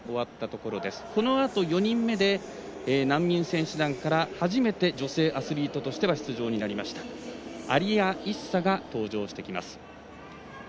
このあと４人目で難民選手団から初めて女性アスリートととしては出場になりましたアリア・イッサが登場してきます。